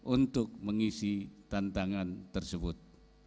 untuk mengisi tantangan tersebut